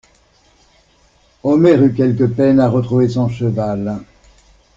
Omer eut quelque peine à retrouver son cheval.